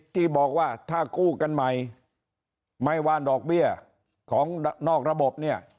ที่บอกว่าถ้ากู้กันใหม่ไม่ว่าดอกเบี้ยของนอกระบบเนี่ย